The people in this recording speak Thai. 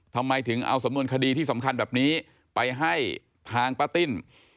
ทำไมถึงเอาสำนวนคดีที่สำคัญแบบนี้ไปให้ทางป้าติ้น